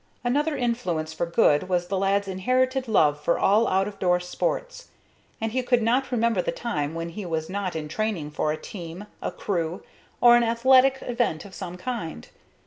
Another influence for good was the lad's inherited love for all out of door sports, and he could not remember the time when he was not in training for a team, a crew, or an athletic event of some kind.